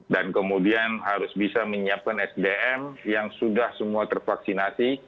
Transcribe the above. dan kemudian harus bisa menyiapkan sdm yang sudah semua tervaksinasi